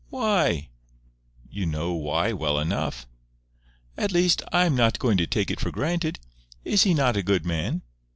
"Why?" "You know why well enough." "At least, I am not going to take it for granted. Is he not a good man?"